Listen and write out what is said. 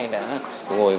đã phục hồi